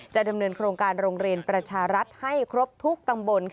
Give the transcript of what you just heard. ดำเนินโครงการโรงเรียนประชารัฐให้ครบทุกตำบล